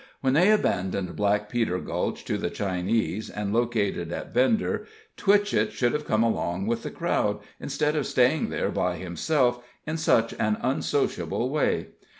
When they abandoned Black Peter Gulch to the Chinese, and located at Bender, Twitchett should have come along with the crowd, instead of staying there by himself, in such an unsociable way.